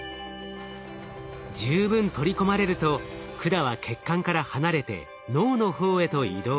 十分取り込まれると管は血管から離れて脳の方へと移動。